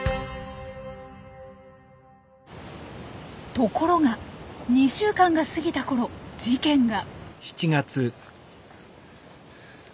ところが２週間が過ぎたころ事件が！